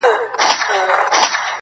خو بدلون بشپړ نه وي هېڅکله,